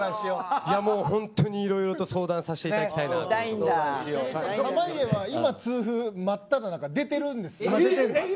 本当に、いろいろと相談させていただきたいな濱家は今、痛風まっただ中で出てるんですよ。